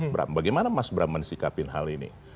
bram bagaimana mas bram mensikapin hal ini